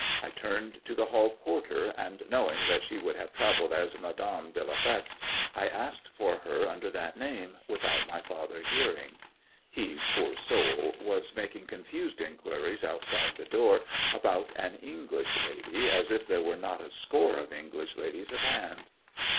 I turned to the hall porter, and knowing that she would have travelled as 'Madame de la Feste' I asked for her under that name, without my father hearing. (He, poor soul, was making confused inquiries outside the door about 'an English lady,' as if there were not a score of English ladies at hand.)